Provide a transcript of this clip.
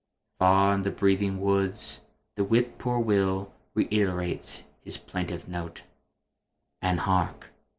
Far in the breathing woods the whip poor will Reiterates his plaintive note; and hark!